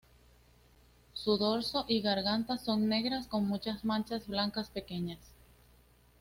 Su dorso y garganta son negras con muchas manchas blancas pequeñas.